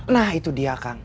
nah itu dia kang